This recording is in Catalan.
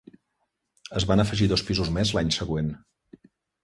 Es van afegir dos pisos més l'any següent.